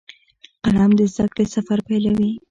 قلم د زده کړې سفر پیلوي